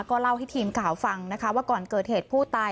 ก็เล่าให้ทีมข่าวฟังนะคะว่าก่อนเกิดเหตุผู้ตาย